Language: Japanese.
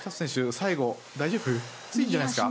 最後大丈夫？きついんじゃないですか？